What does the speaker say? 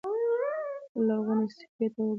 خپلې لرغونې سټې ته دې وګوري.